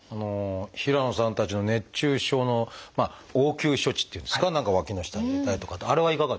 平野さんたちの熱中症の応急処置っていうんですか何かわきの下に入れたりとかってあれはいかがですか？